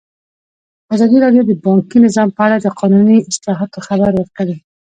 ازادي راډیو د بانکي نظام په اړه د قانوني اصلاحاتو خبر ورکړی.